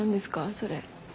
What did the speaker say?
それ。